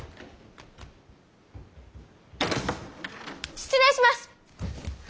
失礼します！